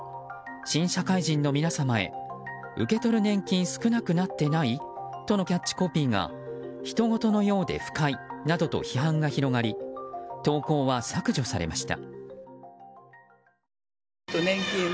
新社会人のみなさまへ受け取る年金少なくなってない！？」とのキャッチコピーがひとごとのようで不快などと批判が広がり投稿は削除されました。